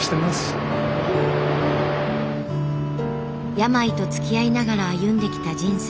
病とつきあいながら歩んできた人生。